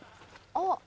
あっ。